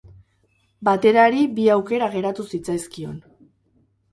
Baterari bi aukera geratu zitzaizkion.